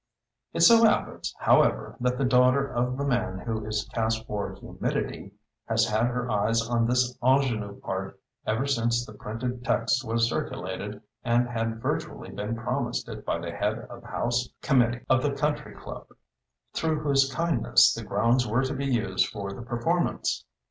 It so happens, however, that the daughter of the man who is cast for Humidity has had her eyes on this ingénue part ever since the printed text was circulated and had virtually been promised it by the Head of the House Committee of the Country Club, through whose kindness the grounds were to be used for the performance.